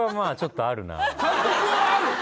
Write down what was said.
監督はある？